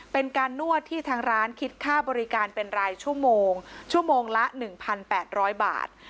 เป็นการนวดที่ทางร้านคิดค่าบริการเป็นรายชั่วโมงชั่วโมงละ๑๘๐๐บาท